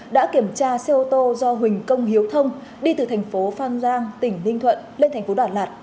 đã kiểm tra xe ô tô do huỳnh công hiếu thông đi từ thành phố phan giang tỉnh ninh thuận lên thành phố đà lạt